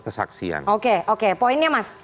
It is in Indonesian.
kesaksian oke oke poinnya mas